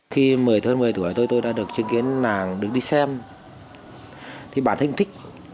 khi một mươi thơ một mươi tuổi tôi đã được chứng kiến làng được đi xem thì bản thân cũng thích